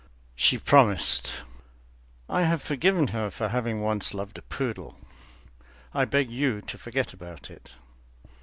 She promised. I have forgiven her for having once loved a poodle. I beg you to forget about it.